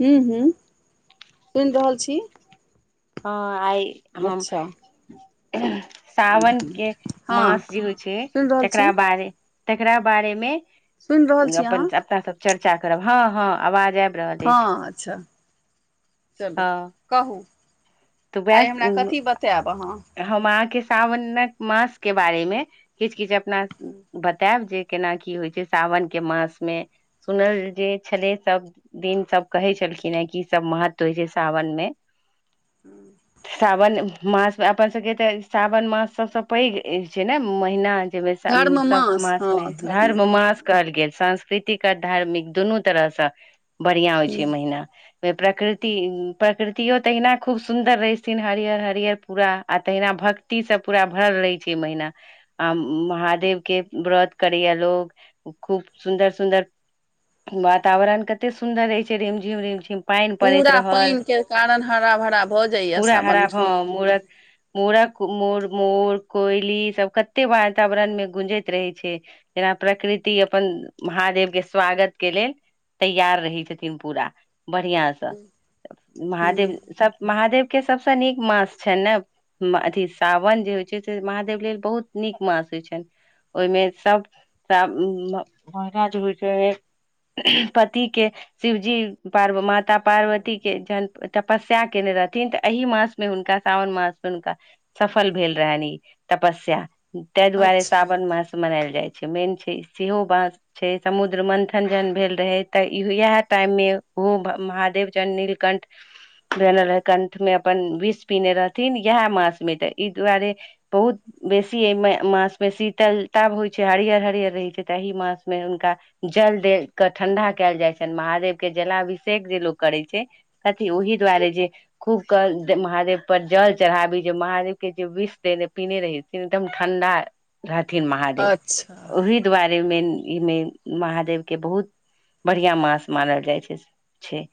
हूँ- हू, सुनि रहल छी। हँ, आइ हम अच्छा साावनक के हँ मास जे होइ छै, सुनि रहल छी तेकरा बाड़े तेकरा बारे मे सुनि रहल छी अपन, अहाँ अपना सब चर्चा करब, हँ- हँ आवाज आयब हँ अच्छा! चलू। हँ कहू तऽ आइ हमरा कथी वएह बतायब अहाँ! हम अहाँके सावनक मास के बारे मे, किछु- किछु अपना हू। बतायब जे केना की होइ छै, साावन के मास मे सुनल जे छले सब दिन सब कहै छलखिन हे, कि सब महत्व होइ छै सावन मे। श्रावन मास। अपन सबके ते सावन मास सबसे पैघ छै ने, महिना। सब मास मे, धर्म मास। कहल गेल, सांस्कृतिक आर धार्मिक दुनू तरहसँ बढ़िआं होइ छै मास महिना। प्रकृति प्रकृतियो तहिना खूब सुन्दर रहैथिन, हरियर- हरियर। पूरा, आ तहिना भक्ति सब पूरा भरल रहै छै महिना। आ महादेव के व्रत करैय लोग, खूब सुन्दर- सुन्दर! वातावरण कते सुन्दर रहै छै, रेम झिम -रेम झिम। पानि पड़ैत पूरा रहल, पानि के कारण हरा भरा भऽ जाइया पूरा हरा सावन ह मरत मूड़क म मोर, कोइली, ई सब कते वातावरण मे गूंजैत रहै छै। जेना 'प्रकृति' अपन 'महादेव' के स्वागत के लेल। तैयार रहै छथिन पूरा, बढ़िया से। मे त, महादेव सब महादेव के सबसँ नीक मास छै ने। अथि सावन जे होइ छै से, महादेव लेल बहुत नीक मास होइ छनि। ओहिमे सब महिला जे होइ छै, ओहिमे पति के शिवजी पार माता पार्वती के जन तपस्या केने रहथिन तऽ एहि मास मे हुनक साावन मास। हुनका सफल भेल रहनि ई तपस्या, ताहि दुआरे अच्छा सावन मास मनायल जाइ छै, मेन छै सेहो बात। छै समुद्र मन्थन जहन भेल रहै, तऽ इएह टाइम में ओहो महादेव चन्द्र नीलकण्ठ भनल रहै कण्ठ में अपन विष पिहने रहथिन, इएह मास मे तऽ ई दुआरे बहुत बेसी एहि मासमेऊ शीतलता होइत छै, हरियर- हरियर रहैत छै, तऽ ए मास में हुनका जल दे के ठंडा कयल जाइ छनि, महादेव के जलाभिषेक जे लोकोग करै छै कथी ओहि दुआरे जे खूब क महादेव पर जल चढ़ाबी, जे महादेव के जे विष देने पिने रहीन एकदम ठण्डा रहथिन महादेव। अच्छा ओहि दुआरे मेन ईने महादेवके बहुत बढ़िया मास मानल जाइ छै- छै।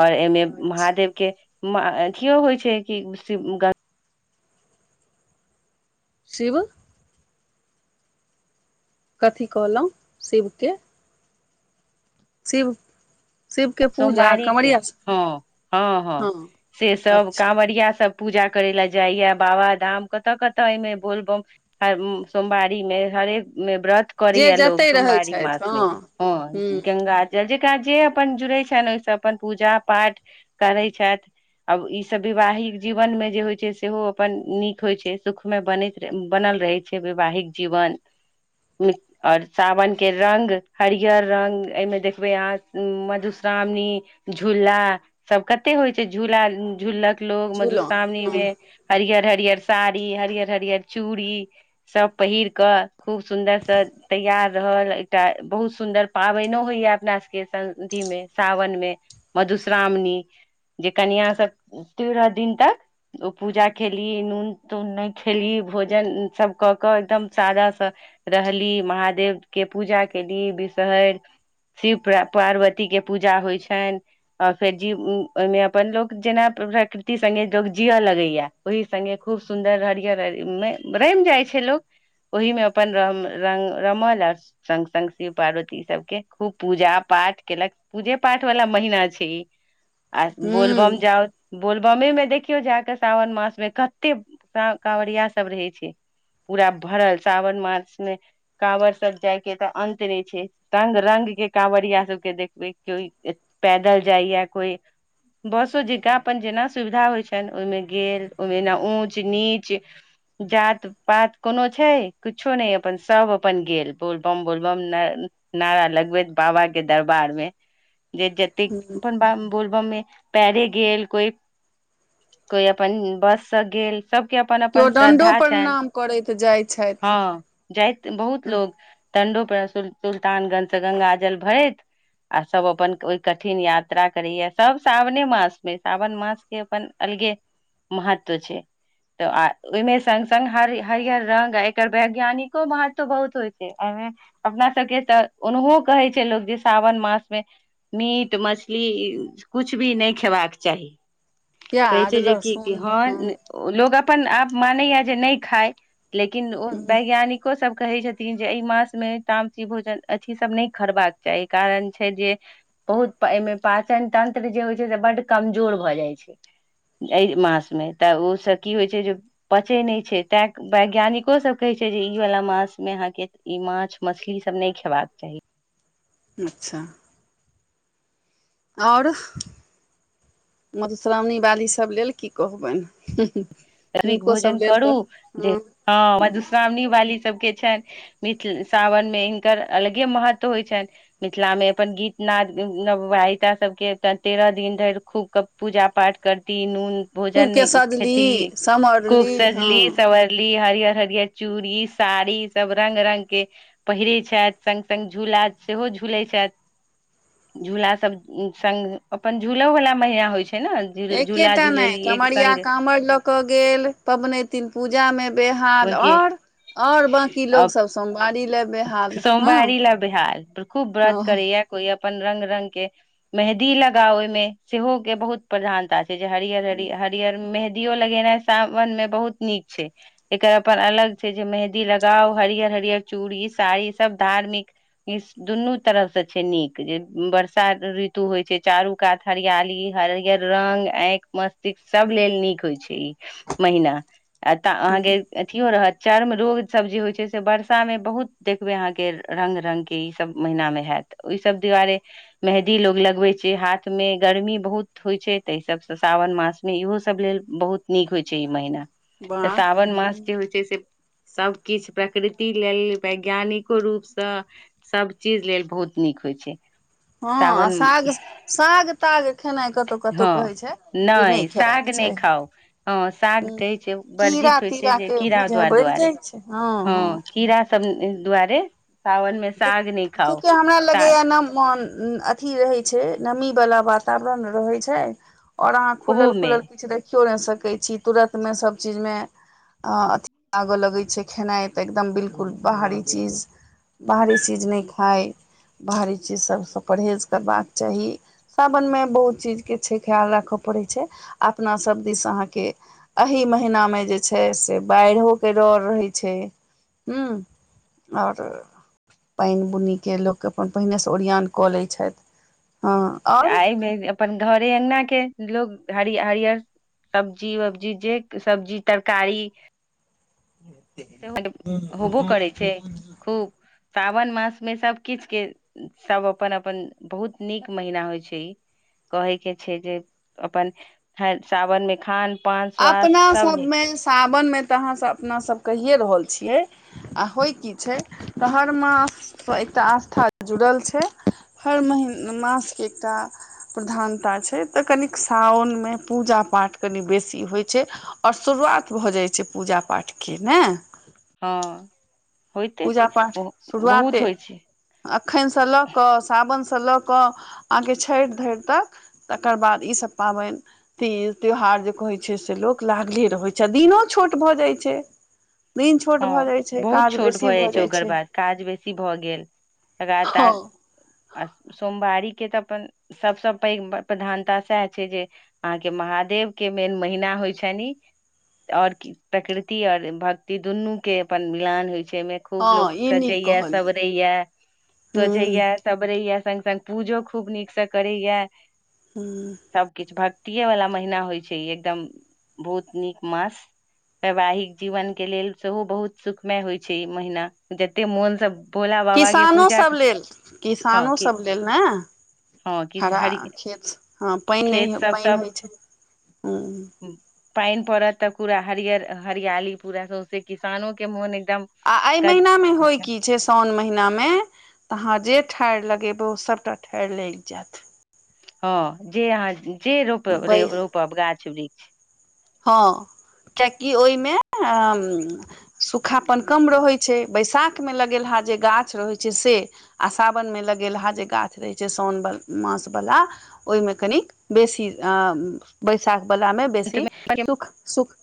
ओर एहिमे अच्छा महादेव के अथियो होइ छै, कि शिव ग शिव? कथी कहलहुँ? शिवके शिव शिवके पूजा सोमवारी के, कँवरिया हँ- हँ- हँ से सब अच्छा कांवरिया सब पूजा करे लए जाइया बाबाधाम, कतऽ -कतऽ एहिमे बोलबम हर सोमवारी में हरेक मे व्रत करे जे या लोग जतय रहै सोमवारी छथि मास मे, हँ ह हूँ गंगा जल जेकरा जे अपन जुड़े छै। छैन अपन पूजा पाठ करै छैथ। अब ई सब विवाहिक जीवन में जे होय छै, सेहो अपन नीक होय छै सुख। मे बनैत बनल रहै छै वैवाहिक जीवन। और सावन के रंग हरियर रंग एहिमे देखबे अहाँ मधुश्रा वणी झूला सब कते होय छै झूला झूलक। लोग झूलन मधुश्रावणी हूँ मे हरियर -हरियर साड़ी हरियर -हरियर चूड़ी। सब पहिर कऽ खूब सुन्दर से तैयार रहल एकटा बहुत सुन्दर पाबैनो होय या अपना सबके संधि अथि में। सावन मे मधुश्रावणी, जे कनिया सब तेरह दिन तक ओ पूजा केली नून- तून नैय खेली भोजन सब कऽ- कऽ एकदम सादा सँ रहली महादेव के पूजा केली विषहर शिव पा -पार्वती के पूजा होय छैन। और फेर जी ओहिमे अपन लोक जेना प्रकृति संगे लोक जीय लगैया। ओहि संगे खूब सुन्दर हरियर- हरियर में रैम जाय छैय लोक। ओहि मे अपन र -र रमल आ। संग- संग शिव पार्वती सबके खूब पूजा पाठ केलक। पूजे पाठ वाला महिना छैय इ, आ हूँ बोलबम जाउ बोलबम मे देखियौ जााकऽ साावन मास मे कते कांवरिया सब रहै छैय। पूरा भड़ल साावन मास मे। काँंवर सब जाय के तऽ अंत नै छैय, रंग- रंग के कावरिया सब के देखबै। को पैदल जाय या कोई बसो जेका अपन जेना सुविधा होय छैन ओय मे गेल, ओय मे ऊँच- नीच। जात -पात कोनो छैय, किछो नैय अपन सब अपन गेल बोलबम- बोलबम ना नारा लगबैत बाबा के दरबार में, जे जतेक हूँ अपन ब बोलबम में। पैरे गेल कोय -कोय अपन बस स गेल। सबके अपन केओ -अपन दण्डो श्रद्धा छैन प्रणाम करैत जाइ छथि हँ। जाइत बहुत लोग दंडो प्र सुल् सुल्तानगंज से गंगा जल भरैत। आ सब अपन ओय कठिन यात्रा करैय, सब सावने मास मे सावन मासके अपन अलगे महत्व छैय। त ओय मे संग- संग हरियर रंग एकर वैज्ञानिको महत्व बहुत होय छै एय में अपना सबके तऽ ओनहो कहै छैय लोक जे सावन मास मे मीट, मछली कुछ भी नहि खेबाक चाही। कहै प्याज छैय जे कि लहसुन हँ न लोग अपन आप मानैया जे नहि खाय, लेकिन ओ हूँ वैज्ञानिक को सब कहेै छथिन जे एैय मास में तामची भोजन, अथी सब नहि खरबाक चाही। कारण छै जे बहुत एैय मे पाचन तंत्र जे होय छै से, बड्ड कमजोर भऽ जाय छैय। एय मास मे तऽ ओय स की होय छै जो पचै नहि छै तैं वैज्ञानिको सब कहै छै जे, ई वला मास मे आहाँके ई माछ -मछली सब नहि खेबाक चाही। अच्छा और मधुश्रावणी वाली सब लेल की कह बैन। स्विक भोजन करू जे, हँ मधुश्रावणी वाली सबके छैन मिथिल सावन मे हिनकर अलगे महत्व होय छैन। मिथिलामे अपन गीत-नाद नवविवीहिता सबके तेरह दिन धरि खूब क पूजा पाठ करती नून भोजन नहि खेती समरल् खूब सजली सवंरली हरियर- हरियर चूड़ी, साड़ी सब रंग -रंग के पहिरै छैथ, संग- संग झूला सेहो झूलै छैथ। झूला सब संग अपन झूलो वला महिना होय छैय न एक्के टा नहि कमरिया काँवर ल क गेल पबनैतिन पूजा मे बेहाल गेल और और बांकी आ लोग सब सोमवारी लए बेहाल हँ सोमवारी लए बेहाल, खूब व्रत ओह करैया कोय अपन रंग-रंग के मेंहदी लगाव ओय मे सेहो के बहुत प्रधानता छै जे हरियर-हरि-हरियर मेंहदियो लगेनाय सावन में बहुत नीक छय। एकर अपन अलग छैय जे, मेंहदी लगाउ हरियर- हरियर चूड़ी, साड़ी सब धार्मिक इ स दुनू तरफ स छैय नीक जे, बरसा ऋतु होय छैय चारू कात हरियाली हरियर रंग अैंइख, मस्तिष्क सब लेल नीक होय छै ई महिना। अतऽ आहाँके अथियो रहत चर्म रोग सब जे होय छैय से बर्ष सा मे बहुत देखबै, अहाँके रंग -रंग के ई सब महिना मे हेत ओय सब दुआरे मेंहदी लोग लगवेै छैय हाथ में, गर्मी बहुत होय छैय तेै सब स सावन मास इहो सब लेल बहुत नीक होय छैय ई महिना तऽ वाह साावन मास जे होय छै से, सब किछ प्रकृत ति लेल वैज्ञानिको रूप सँ, सब चीज लेल बहुत नीक होय छै। हँ आ सावन साग- साग -ताग खेनाय कतौ हँ नहि साग नहि चाही खाउ, हँ साग कहै छै कीड़ा वर्जित होय छै तीड़ा जे, के कीड़ा बुझाइ दुआ बढ़ि दुआरे जाइ छै हँ कीड़ा सब दुआरे सावन मे साग नहि खाउ चु-चूकि हमरा साग लगेैया ना मोन। उम्म अथि रहै छै नमी वला वातावरण रहै छै। और अहाँ ओहोमे खुलल-खुलल किछ देखियौ नै सकै छी तुरत मे सब चीज मे आ अथी लागऽ लगै छै, खेनाय तऽ एकदम बिल्कुल बाहरी चीज बाहरी चीज नै खाय, बाहरी चीज सब सँ परहेज करबाक चाही। सावन मे बहुत चीज के छै ख्याल राखऽ पड़ै छै, अपना सब दिस अहाँ के एहि महीना मे जे छै से बैड़हो के डर रहै छै, हुं। और पेएन बुनिके लोक अपन पहिने से ओरियान कऽ लै छैथ हां। आ एमे अपन घरे अंगना के लोग हरियर, हरियर सब्जी-वब्जी जे सब्जी तरकारी सेहो होबो करै छै खूब। सावन मास मे सब किछ के सब अपन-अपन बहुत नीक महिना होय छै ई। कहै के छै जे अपन हर सावन मे खान पान अपना स्वास्थ्य सब नीक मे सावन मे तऽ अहाँ सब अपना सब कहिये रहल छियै। आ होय की छै त हर मास सँ एकटा आस्था जुड़ल छै, हर मही मास के एकटा प्रधानता छै तऽ कनिक सावन मे पूजा-पाठ कनि बे सी होय छै और शुरुआत भऽ जाय छै पूजा-पाठ के नेै। हां होयते पूजा छै उहो बहुत होय छै। एखन सँ लऽ कऽ सावन सँ लऽ कऽ अहाँके छैठ धैर तक तकर बाद ई सब पाबैन तीज, त्यौहार जे कहै छै से लोक लागले रहै छै, दिनों छोट भऽ जाय छै। दिन छोट भऽ हँ जाय छै, बहुत काज छोट बेसी भऽ जाइ भऽ छै जाइ ओकर छै बाद काज बेसी भऽ गेल, हँ लगातार आ सोमवारी के तऽ अपन सब सँ पैघ प्रधानता साएह छै जे अहाँ के महादेव के मेन महीना होय छैन ई। और कि प्रकृति और भक्ति दुनू के अपन मिलान होय छै एैय मे। खूब लोक हँ ई नीक सजेैया, कहलियै सवरेैया, हूँ त्वजेैया। सबरैया संग-संग पूजो खूब नीक से करैया। हुं। सब किछ भक्तिये वला महीना होय छै ई एकदम बहुत नीक मास। वैवाहिक जीवन के लेल सेहो बहुत सुखमय होय छै ई महिना, जते मोन से भोला बाबा के किसानो पूजा सब लेल, हँ किसानो कि सब लेल नै। हँ कि हरा हरि खेत स, हां पेएन खेत नै पेएन होय छै, हां। पेएन पड़त तऽ पूरा हरियर हरियाली पूरा सौंसे किसानो के मोन एकदम आ ए कद महिना मे होय की छै सोन महिना मे तऽ अहाँ जे ठाएड़ लगेबै उ सबटा ठाएड़ लाएग जाएत। हां जे अहाँ जे रोप बै रे रोपब गाछ वृ हां कियाएकि ओय मे सुखापन कम रहै छै, बैशाख मे लगेलहा जे गाछ रहै छै से आ सावन मे लगेलहा जे गाछ रहै छै सोन वल मास वला ओय मे कनिक बेसी आ बैशाख बला मे बेसी सुख-सुख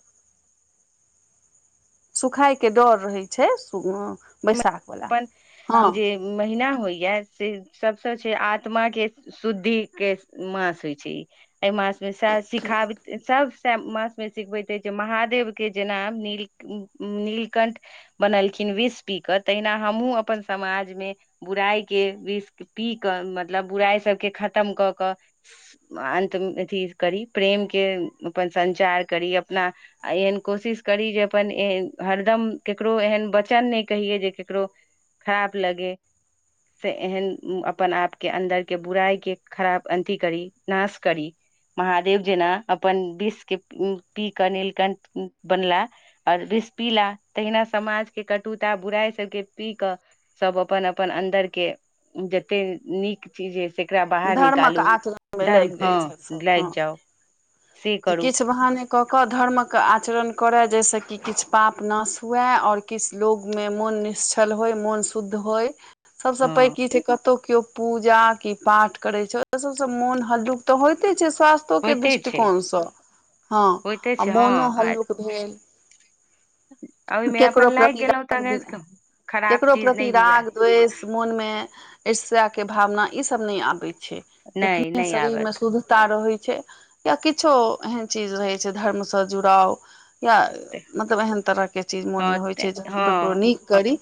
सुखाय के डर रहे छै, सु अ बैसाख अपन जे महिना होयया से सबसे छै आत्मा के शुद्धि के मास होइ छै। एहि मास मे शिखा सभ मासमे सिखबैत अछि जे महादेवके जेना नील नीलकण्ठ बनलखिन विष पी कऽ तहिना हमहुँ अपन समाजमे बुराइके विष पी कऽ मतलब बुराइ सभके खतम कऽ कऽ अन्तमे अथी करी, प्रेमके अपन संचार करी, अपना आ एहन कोशिश करी जे अपन हरदम केकरो एहन वचन नहि कहियै जे केकरो खराब लगय। से एहन अपन आपक अन्दरक बुराइके खराब अन्त करी, नाश करी। महादेव जेना अपन विष पी कऽ नीलकण्ठ बनला और विष पीलाह, तहिना समाज के कटुता बुराइ सभके पी कऽ सब अपन-अपन अन्दर के जते नीक चीज ये सेकरा बाहर धर्मक निकालू, आचरणमे धर्म लागि जाइ हँ छथि सभ लागि हँ जाउ। से जे करू किछु बहाने कऽ कऽ धर्मके आचरण करै, जाहिसँ कि किछु पाप नाश होइ आओर किछु लोकमे मोन निश्छल होय, मोन शुद्ध होइ। सभसँ हँ पैघ की छै, कतहु केओ पूजा कि पाठ करै छै, ओ सभसँ मोन हलुक तऽ होइते छै, स्वास्थ के होइते छै दृष्टिकोणसँ हँ, होइते आ छै हँ मोनो आ हलुक भेल। ओहिमे अपन केकरो लागि प्रति गेलहुँ राग तऽ बिना, खराब केकरो चीज नहि प्रति हुए राग द्वेष, मोनमे ईर्ष्याक भावना, ई सभ नहि अबैत छै। नहि जखने नहि शरीर मे आबत सूध तऽ रहै छै या, किछु एहन चीज रहै छै धर्मसँ जुड़ाव या मतलब, एहेन तरहक चीज हँ मोनमे होइ ते छै, जे हम ककरो हँ नीक करी,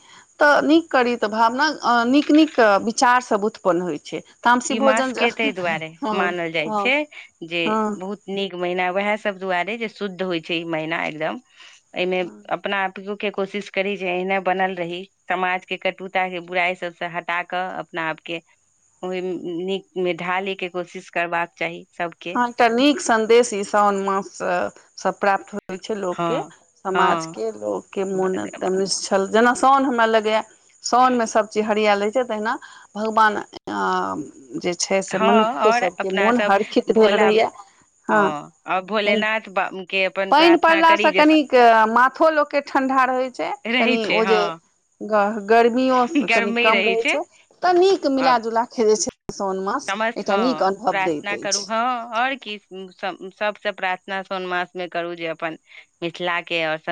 तऽ नीक करी तऽ भावना आ नीक-नीक विचार सभ उत्पन्न होइ छै। तामसी ई मास भोजन के जे ताहि दुआरे हँ मानल जाइ हँ छै जे हँ बहुत नीक महिना वएह सभ दुआरे जे शुद्ध होइ छै। ई महिना एकदम एहिमे हँ अपना आपयो के कोशिश करी जे एहने बनल रही। समाजके कटुता के बुराइ सभसँ हटा कऽ अपना आपके ओहि नीकमे ढालै के कोशिश करबाक चाही सबके। हँ एकटा नीक संदेश ई सावन माससँ सब प्राप्त होइ। होइ छै हँ लोकके, हँ समाजके लोकके मोन ब- एकदम निश्छल छल, जेना साउन हमरा लगैए साओनमे सभचीज हरियाल रहे छै, तेना तहिना भगवान जे छै से हँ मनुक्खो आओर सभके अपना मोन सब हरखित भेल भोला रहैय। हँ आओर कनि भोलेनाथ बा- के अपन पानि प्रार्थना करी पड़लासँ जे कनिक माथो लोकके ठंढा रहैत। छै से रहै कनि छै ओ जे हँ ग गर्मियो कनि गर्मी कम रहै रहे छै त नीक आ मिलााजुला के जे छै साओन मास समस्त एटा नीक हँ अनुभव देत। प्रार्थना करू हँ, आओर की सभसँ प्रार्थना साओन मासमे करू जे अपन मिथिला के और सब